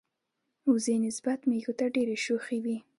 وزې نسبت مېږو ته ډیری شوخی وی.